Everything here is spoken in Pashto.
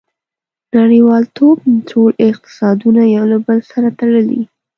• نړیوالتوب ټول اقتصادونه یو له بل سره تړلي.